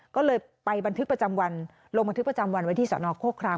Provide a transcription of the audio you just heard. ก็เลยไปบันทึกประจำวันลงบันทึกประจำวันไว้ที่สนโครคราม